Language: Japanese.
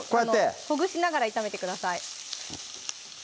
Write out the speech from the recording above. ほぐしながら炒めてください